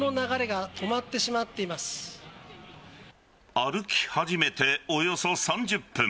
歩き始めておよそ３０分。